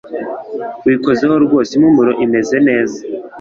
wikozeho rwose impumuro imeze neza,